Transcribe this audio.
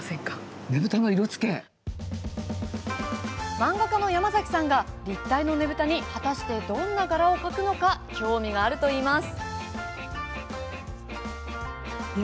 漫画家のヤマザキさんが立体のねぶたに果たして、どんな柄を描くのか興味があるといいます。